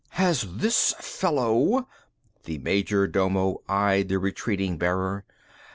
"Has this fellow...." The major domo eyed the retreating bearer.